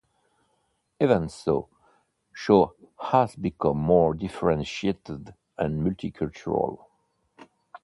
Even so, Shaw has become more differentiated and multicultural.